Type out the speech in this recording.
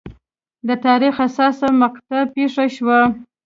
د تاریخ حساسه مقطعه پېښه شوه.